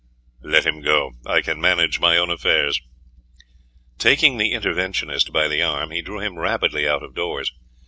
"Let him go. I can manage my own affairs." Taking the interventionist by the arm, he drew him rapidly out of doors.